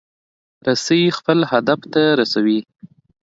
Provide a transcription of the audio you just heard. رسۍ خپل هدف ته رسوي.